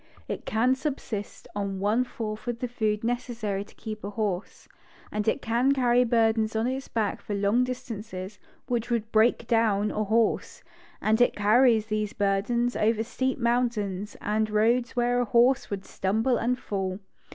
It can subsist on one fourth the food necessary to keep a horse, and it can carry burdens on its back for long distances which would break down a horse; and it carries these burdens over steep mountains, and roads where a horse would stumble and fall.